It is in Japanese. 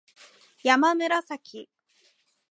やまむらさき